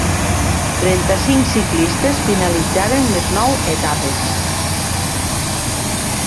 Trenta-cinc ciclistes finalitzaren les nou etapes.